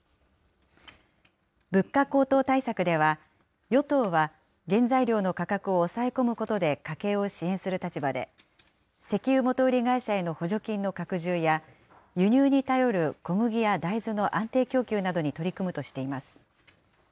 物価高騰対策では、与党は原材料の価格を抑え込むことで家計を支援する立場で、石油元売り会社への補助金の拡充や、輸入に頼る小麦や大豆の安定供給などに取り組むとしています。